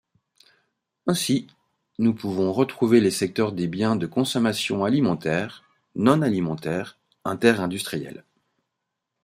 Ainsi, nous pouvons retrouver les secteurs des biens de consommation alimentaire, non-alimentaire, interindustriels.